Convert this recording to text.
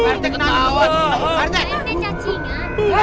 wah rt jalan jalan terang setinggi nih